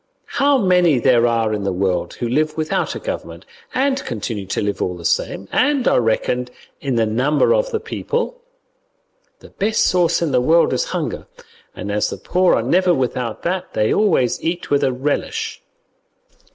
How many there are in the world who live without a government, and continue to live all the same, and are reckoned in the number of the people. The best sauce in the world is hunger, and as the poor are never without that, they always eat with a relish.